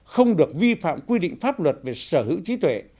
không được vi phạm quy định pháp luật về sở hữu trí tuệ